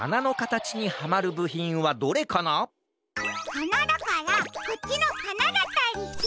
はなだからこっちの「はな」だったりして。